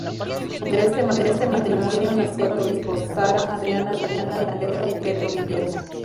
De este matrimonio nacieron sus cuatro hijos: Sara, Adriana, Daniela y Pedro Guillermo.